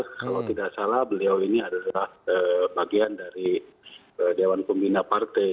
kalau tidak salah beliau ini adalah bagian dari dewan pembina partai